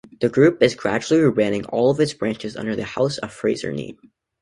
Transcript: The group is gradually rebranding all its branches under the House of Fraser name.